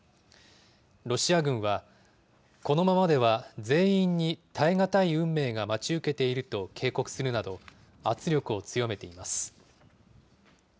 ロシア軍は、このままでは全員に耐え難い運命が待ち受けていると警告するなど、圧力を強めています。